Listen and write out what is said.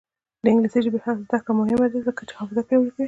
د انګلیسي ژبې زده کړه مهمه ده ځکه چې حافظه پیاوړې کوي.